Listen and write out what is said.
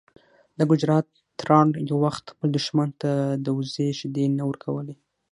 د ګجرات تارړ یو وخت خپل دښمن ته د وزې شیدې نه ورکولې.